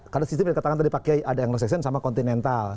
karena sistem yang dikatakan tadi pak kiai ada yang reseksen sama kontinental